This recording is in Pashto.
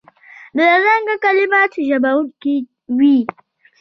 بدرنګه کلمات ژوبلونکي وي